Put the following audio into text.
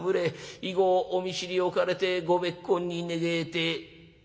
以後お見知りおかれてご別懇に願えてえ」。